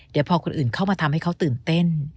เดี๋ยวพอคนอื่นเข้ามาทำให้เขาตื่นเต้น